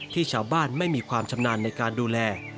ที่ชาวบ้านไม่มีความชำนาญในการดูแล